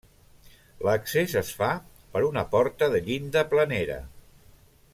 L'accés es fa per una porta de llinda planera.